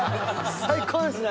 最高ですね！